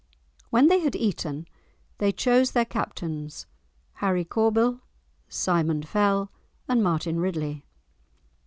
When they had eaten, they chose their captains, Harry Corbyl, Simon Fell, and Martin Ridley.